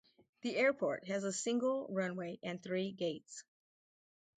The airport has a single runway and three gates.